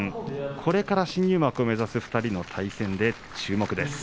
これから新入幕を目指す２人の対戦で注目です。